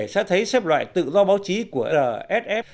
sẽ thấy xếp loại tự do báo chí của rsf